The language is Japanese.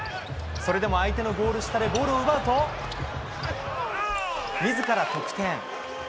それでも相手のゴール下でボールを奪うと、自ら得点。